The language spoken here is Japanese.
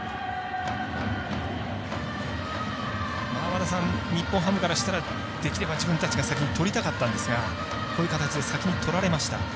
和田さん、日本ハムからしたらできれば自分たちが先に取りたかったんですがこういう形で先にとられました。